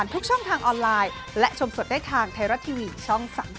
น่ารักมากนะคุณผู้ชมนะ